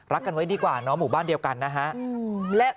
กันไว้ดีกว่าเนาะหมู่บ้านเดียวกันนะฮะ